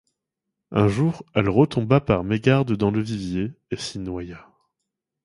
Un jour, elle retomba par mégarde dans le vivier et s’y noya!...